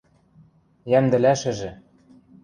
Йӓмдӹлӓшӹжӹ...